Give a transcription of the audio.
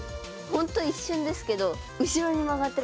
本当一瞬ですけど後ろに曲がってる気がする。